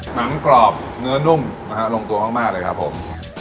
หนังกรอบเนื้อนุ่มนะฮะลงตัวมากเลยครับผม